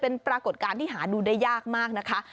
เป็นปรากฏการณ์ที่หาดูได้ยากมากนะคะ